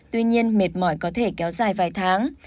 tuy nhiên mệt mỏi có thể kéo dài vài tháng